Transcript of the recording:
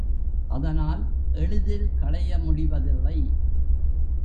அதனால் எளிதில் களைய முடிவதில்லை.